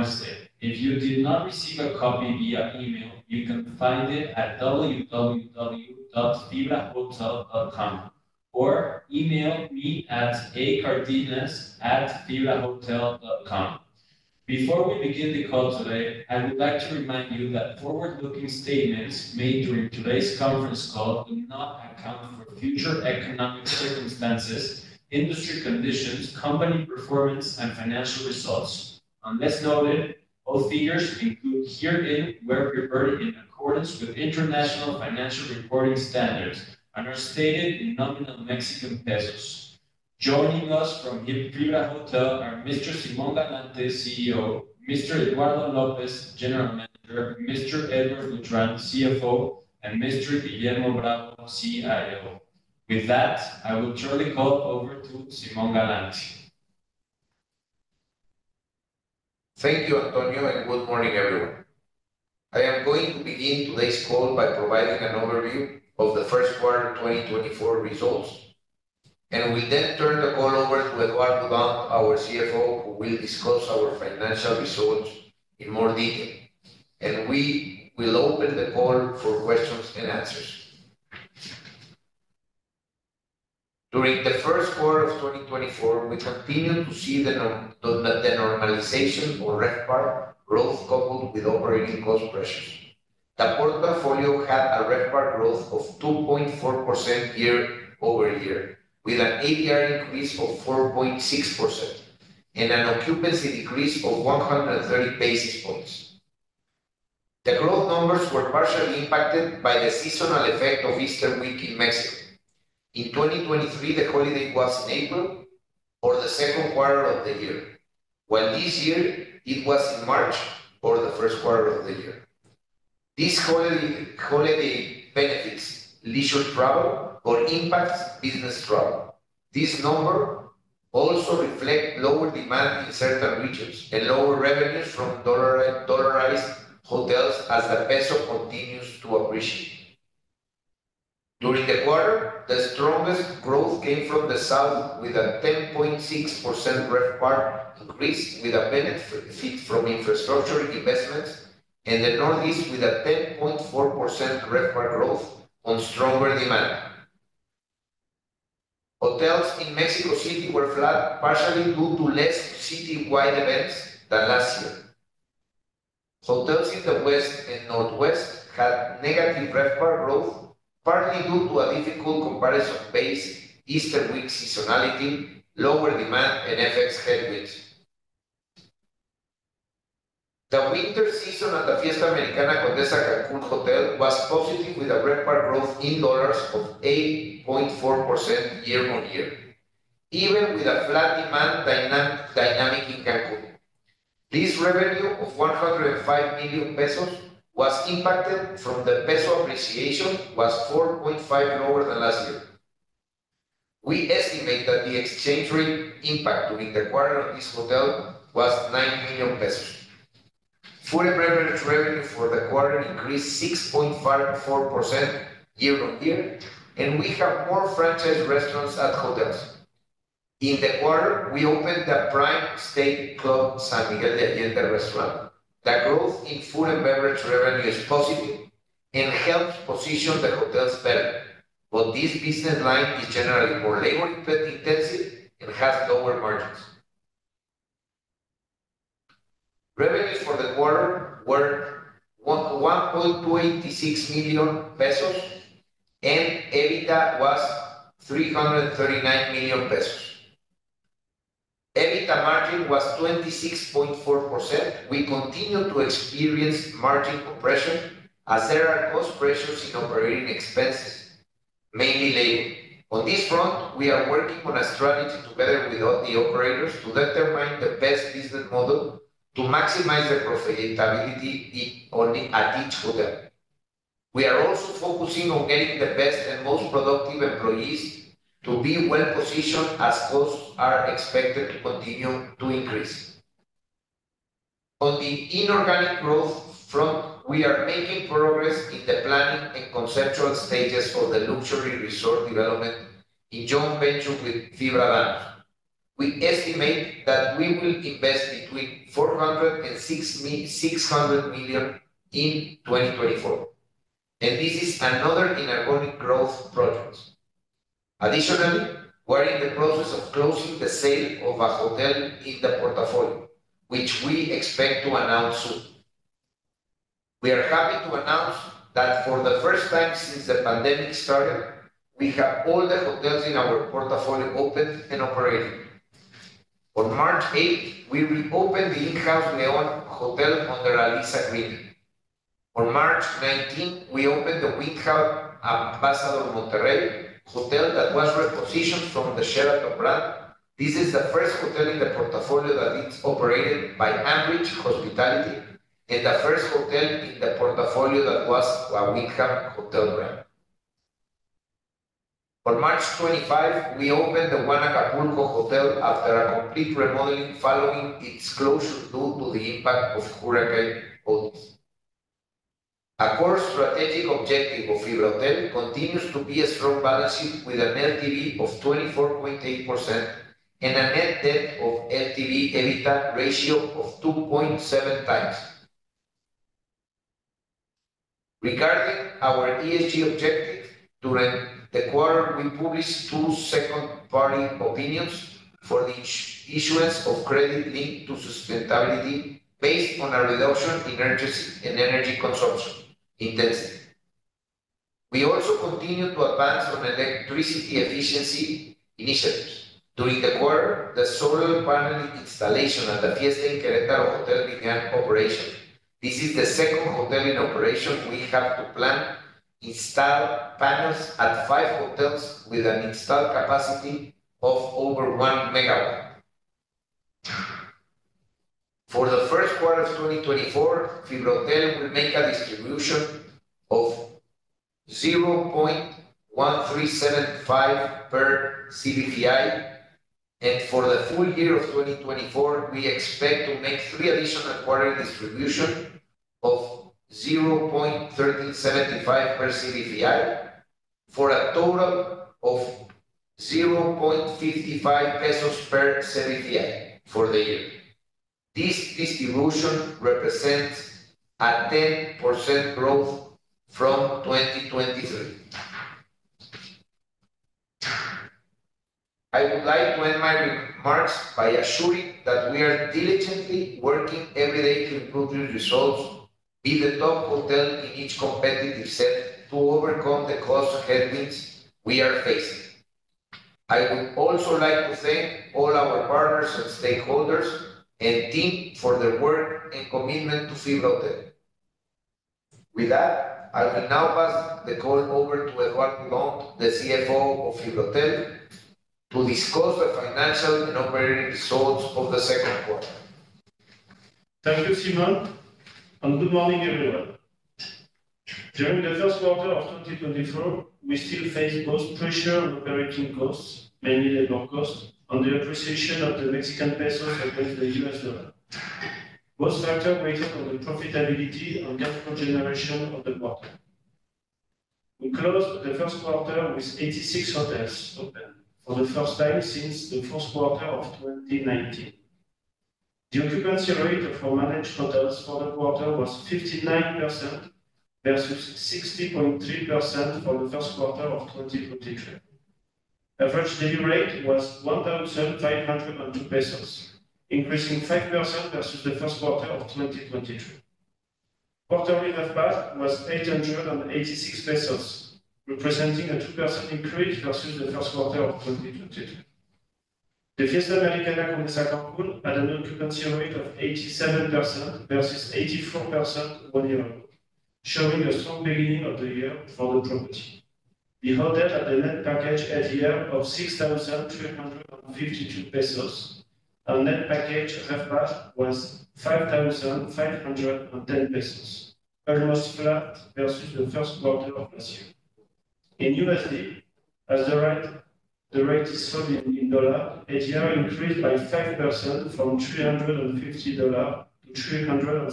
For Wednesday. If you did not receive a copy via email, you can find it at www.fibrahotel.com, or email me at acardenas@fibrahotel.com. Before we begin the call today, I would like to remind you that forward-looking statements made during today's conference call do not account for future economic circumstances, industry conditions, company performance, and financial results. Unless noted, all figures included herein were prepared in accordance with international financial reporting standards and are stated in nominal Mexican pesos. Joining us from FibraHotel are Mr. Simón Galante, CEO; Mr. Eduardo López, General Manager; Mr. Edouard Boudrant, CFO; and Mr. Guillermo Bravo, CIO. With that, I will turn the call over to Simón Galante. Thank you, Antonio, and good morning, everyone. I am going to begin today's call by providing an overview of the first quarter 2024 results, and we'll then turn the call over to Edouard Boudrant, our CFO, who will discuss our financial results in more detail. We will open the call for questions and answers. During the first quarter of 2024, we continued to see the normalization, or revenue growth, coupled with operating cost pressures. The portfolio had a revenue growth of 2.4% year-over-year, with an ADR increase of 4.6% and an occupancy decrease of 130 basis points. The growth numbers were partially impacted by the seasonal effect of Easter week in Mexico. In 2023, the holiday was in April, or the second quarter of the year, while this year it was in March, or the first quarter of the year. These holiday benefits lessened travel or impact business travel. This number also reflects lower demand in certain regions and lower revenues from dollarized hotels as the peso continues to appreciate. During the quarter, the strongest growth came from the south, with a 10.6% revenue increase with a benefit from infrastructure investments, and the northeast with a 10.4% revenue growth on stronger demand. Hotels in Mexico City were flat, partially due to less city-wide events than last year. Hotels in the west and northwest had negative revenue growth, partly due to a difficult comparison base Easter week seasonality, lower demand, and FX headwinds. The winter season at the Fiesta Americana Condesa Cancún Hotel was positive, with a revenue growth in dollars of 8.4% year-on-year, even with a flat demand dynamic in Cancún. This revenue of 105 million pesos was impacted from the peso appreciation, which was 4.5% lower than last year. We estimate that the exchange rate impact during the quarter of this hotel was 9 million pesos. Food and beverage revenue for the quarter increased 6.4% year-over-year, and we have more franchise restaurants at hotels. In the quarter, we opened the Prime Steak Club San Miguel de Allende restaurant. The growth in food and beverage revenue is positive and helps position the hotels better, but this business line is generally more labor-intensive and has lower margins. Revenues for the quarter were 1.286 million pesos, and EBITDA was 339 million pesos. EBITDA margin was 26.4%. We continue to experience margin compression as there are cost pressures in operating expenses, mainly labor. On this front, we are working on a strategy together with the operators to determine the best business model to maximize the profitability at each hotel. We are also focusing on getting the best and most productive employees to be well-positioned as costs are expected to continue to increase. On the inorganic growth front, we are making progress in the planning and conceptual stages of the luxury resort development in joint venture with Fibra Danhos. We estimate that we will invest between 400 million and 600 million in 2024, and this is another inorganic growth project. Additionally, we are in the process of closing the sale of a hotel in the portfolio, which we expect to announce soon. We are happy to announce that for the first time since the pandemic started, we have all the hotels in our portfolio open and operating. On March 8, we reopened the Gamma León. On March 19, we opened the Wyndham Ambassador Monterrey Hotel that was repositioned from the Sheraton brand. This is the first hotel in the portfolio that is operated by Aimbridge Hospitality and the first hotel in the portfolio that was a Wyndham Hotel brand. On March 25, we opened the One Acapulco Costera after a complete remodeling following its closure due to the impact of Hurricane Otis. A core strategic objective of FibraHotel continues to be a strong balance sheet with an LTV of 24.8% and a net debt of LTV/EBITDA ratio of 2.7 times. Regarding our ESG objectives, during the quarter we published two second-party opinions for the issuance of credit linked to sustainability based on a reduction in energy consumption intensity. We also continue to advance on electricity efficiency initiatives. During the quarter, the solar panel installation at the Fiesta Inn Querétaro began operation. This is the second hotel in operation we have to plan: install panels at five hotels with an installed capacity of over 1 MW. For the first quarter of 2024, FibraHotel will make a distribution of 0.1375 per CBFI, and for the full year of 2024, we expect to make three additional quarterly distributions of 0.1375 per CBFI for a total of 0.55 pesos per CBFI for the year. This distribution represents a 10% growth from 2023. I would like to end my remarks by assuring that we are diligently working every day to improve these results, be the top hotel in each competitive set to overcome the cost headwinds we are facing. I would also like to thank all our partners and stakeholders and team for their work and commitment to FibraHotel. With that, I will now pass the call over to Edouard Boudrant, the CFO of FibraHotel, to discuss the financial and operating results of the second quarter. Thank you, Simón, and good morning, everyone. During the first quarter of 2024, we still faced both pressure on operating costs, mainly labor costs, and the appreciation of the Mexican pesos against the U.S. dollar, both factoring weighted on the profitability and cash flow generation of the quarter. We closed the first quarter with 86 hotels open for the first time since the fourth quarter of 2019. The occupancy rate of our managed hotels for the quarter was 59% versus 60.3% for the first quarter of 2023. Average daily rate was 1,502 pesos, increasing 5% versus the first quarter of 2023. Quarterly revenue was 886 million pesos, representing a 2% increase versus the first quarter of 2023. The Fiesta Americana Condesa Cancún had an occupancy rate of 87% versus 84% one year ago, showing a strong beginning of the year for the property. We had net package ADR of MXN 6,352, and net package revenue was 5,510 pesos, almost flat versus the first quarter of last year. In USD, as the rate is sold in dollars, ADR increased by 5% from $350-$366, and revenue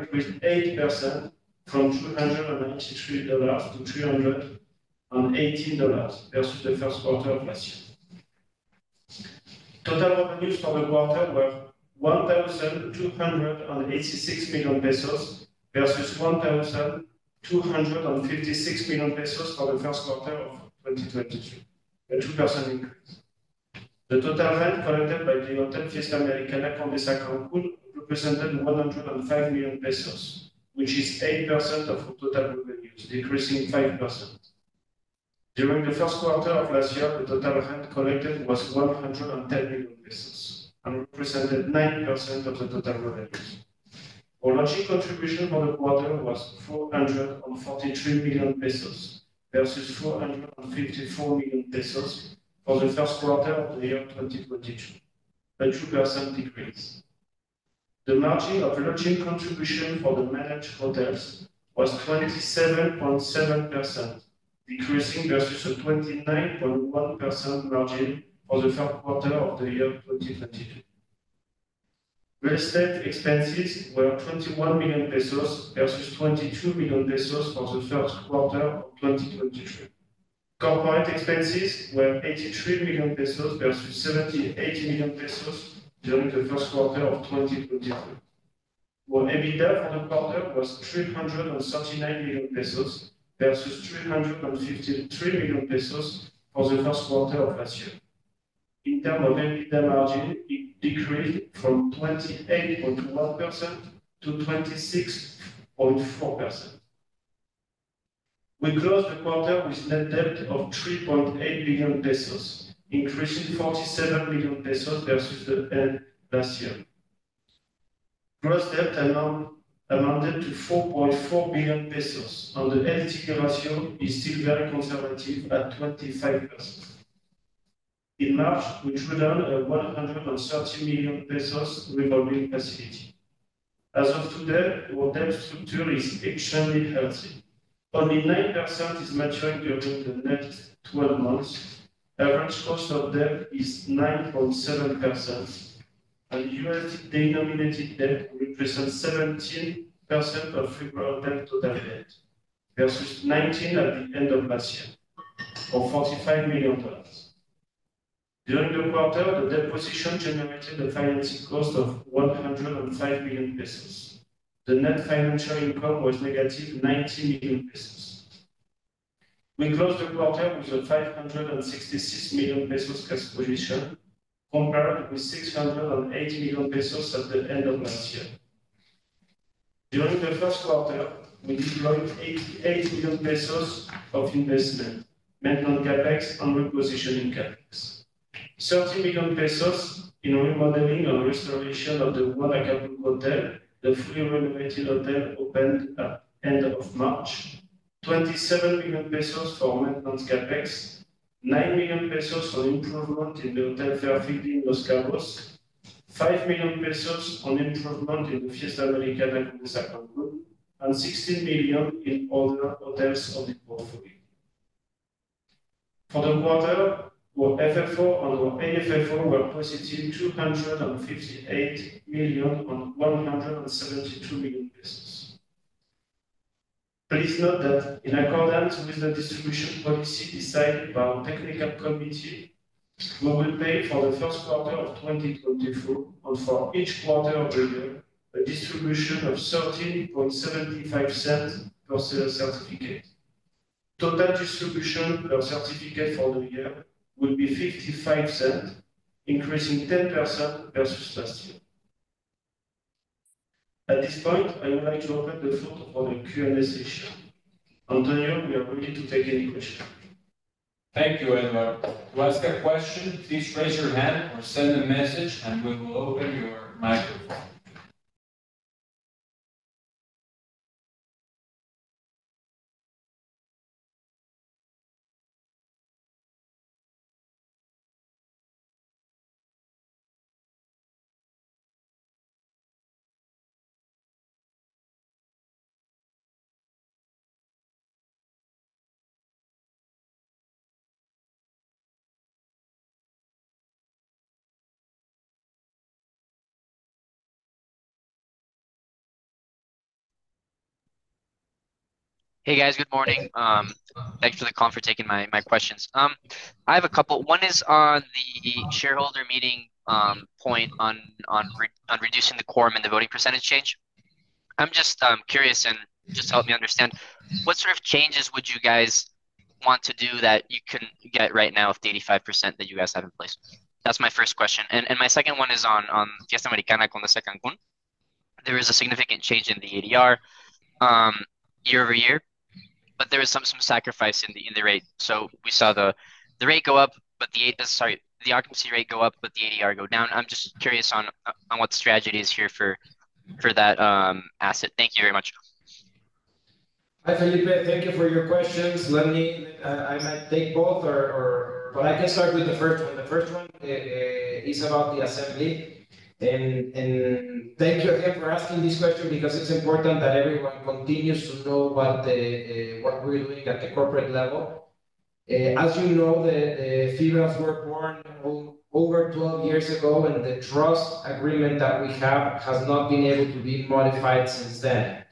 increased 8% from $293-$318 versus the first quarter of last year. Total revenues for the quarter were 1,286 million pesos versus 1,256 million pesos for the first quarter of 2023, a 2% increase. The total rent collected by the hotel Fiesta Americana Condesa Cancún represented 105 million pesos, which is 8% of total revenues, decreasing 5%. During the first quarter of last year, the total rent collected was 110 million pesos and represented 9% of total revenues. Our lodging contribution for the quarter was 443 million pesos versus 454 million pesos for the first quarter of the year 2022, a 2% decrease. The margin of Lodging Contribution for the managed hotels was 27.7%, decreasing versus a 29.1% margin for the first quarter of the year 2022. Real estate expenses were 21 million pesos versus 22 million pesos for the first quarter of 2023. Corporate expenses were 83 million pesos versus 80 million pesos during the first quarter of 2023. Our EBITDA for the quarter was 339 million pesos versus 353 million pesos for the first quarter of last year. In terms of EBITDA margin, it decreased from 28.1% to 26.4%. We closed the quarter with net debt of 3.8 billion pesos, increasing 47 million pesos versus the end last year. Gross debt amounted to 4.4 billion pesos, and the LTV ratio is still very conservative at 25%. In March, we drew down 130 million pesos revolving facility. As of today, our debt structure is extremely healthy. Only 9% is maturing during the next 12 months. Average cost of debt is 9.7%, and USD denominated debt represents 17% of FibraHotel total debt versus 19% at the end of last year, or $45 million. During the quarter, the repositioning generated a financing cost of 105 million pesos. The net financial income was negative 90 million pesos. We closed the quarter with a 566 million pesos cash position, compared with 680 million pesos at the end of last year. During the first quarter, we deployed 88 million pesos of investment, maintained CapEx, and repositioned in CapEx: 30 million pesos in remodeling and restoration of the One Acapulco Costera, the fully renovated hotel opened at the end of March. 27 million pesos for maintenance CapEx. 9 million pesos for improvement in the Fairfield by Marriott Los Cabos. 5 million pesos for improvement in the Fiesta Americana Condesa Cancún. And 16 million in other hotels of the portfolio. For the quarter, our FFO and our AFFO were positive 258 million and 172 million pesos. Please note that, in accordance with the distribution policy decided by our Technical Committee, we will pay for the first quarter of 2024 and for each quarter of the year, a distribution of 0.1375 per certificate. Total distribution per certificate for the year will be 0.55, increasing 10% versus last year. At this point, I would like to open the floor for the Q&A session. Antonio, we are ready to take any questions. Thank you, Edouard. To ask a question, please raise your hand or send a message, and we will open your microphone. Hey, guys. Good morning. Thanks for the call for taking my questions. I have a couple. One is on the shareholder meeting point on reducing the quorum and the voting percentage change. I'm just curious, and just help me understand, what sort of changes would you guys want to do that you can get right now with the 85% that you guys have in place? That's my first question. And my second one is on Fiesta Americana Condesa Cancún. There is a significant change in the ADR year-over-year, but there is some sacrifice in the rate. So we saw the rate go up, but the occupancy rate go up, but the ADR go down. I'm just curious on what the strategy is here for that asset. Thank you very much. Hi, Felipe. Thank you for your questions. I might take both, but I can start with the first one. The first one is about the assembly. Thank you again for asking this question because it's important that everyone continues to know what we're doing at the corporate level. As you know, FibraHotel was born over 12 years ago, and the trust agreement that we have has not been able to be modified since then.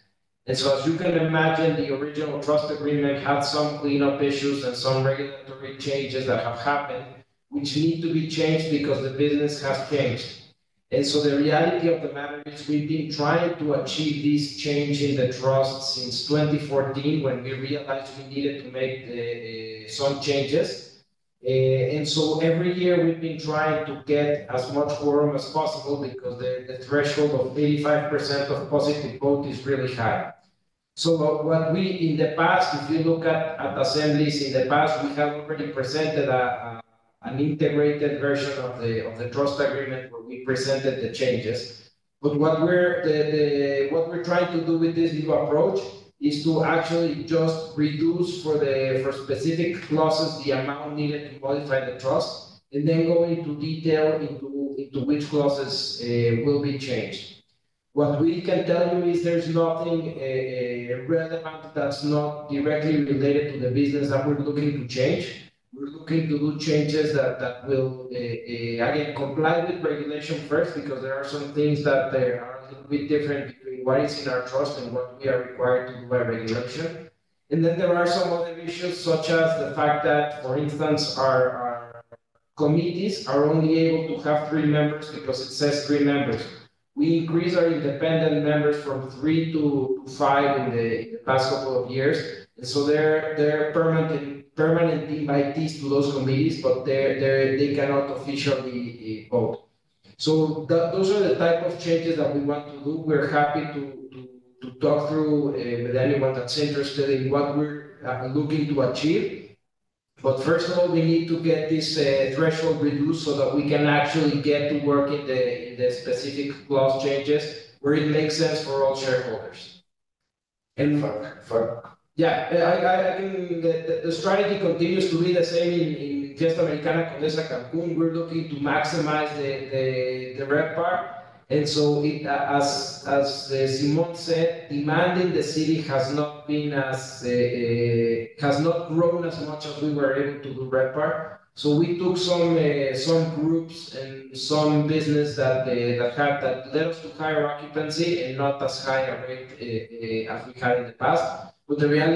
As you can imagine, the original trust agreement had some cleanup issues and some regulatory changes that have happened, which need to be changed because the business has changed. The reality of the matter is we've been trying to achieve this change in the trust since 2014 when we realized we needed to make some changes. Every year, we've been trying to get as much quorum as possible because the threshold of 85% of positive vote is really high. So what we in the past, if you look at assemblies in the past, we have already presented an integrated version of the trust agreement where we presented the changes. What we're trying to do with this new approach is to actually just reduce for specific clauses the amount needed to modify the trust, and then go into detail into which clauses will be changed. What we can tell you is there's nothing relevant that's not directly related to the business that we're looking to change. We're looking to do changes that will, again, comply with regulation first because there are some things that are a little bit different between what is in our trust and what we are required to do by regulation. And then there are some other issues, such as the fact that, for instance, our committees are only able to have three members because it says three members. We increased our independent members from three to five in the past couple of years. And so they're permanent invitees to those committees, but they cannot officially vote. So those are the type of changes that we want to do. We're happy to talk through with anyone that's interested in what we're looking to achieve. But first of all, we need to get this threshold reduced so that we can actually get to work in the specific clause changes where it makes sense for all shareholders. FACC? Yeah. The strategy continues to be the same in Fiesta Americana Condesa Cancún. We're looking to maximize the revenue part. And so, as Simón said, demand in the city has not been as has not grown as much as we were able to do revenue part. So we took some groups and some business that led us to higher occupancy and not as high a rate as we had in the past. But the real.